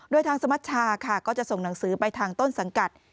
โดยทางสมัชชาค่ะก็จะส่งหนังสือไปทางต้นสังกัด